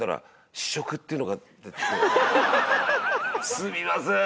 すみません！